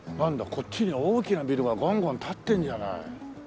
こっちには大きなビルがガンガン立ってるんじゃない。